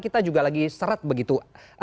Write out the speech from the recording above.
kita juga lagi seret begitu